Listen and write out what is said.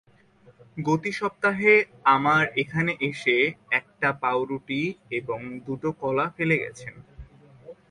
গতি সপ্তাহে আমার এখানে এসে একটা পাউরুটি এবং দুটো কলা ফেলে গেছেন।